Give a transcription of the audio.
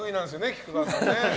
菊川さんは。